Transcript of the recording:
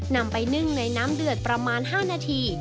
นำไปนึ่งในน้ำเดือดประมาณ๕นาที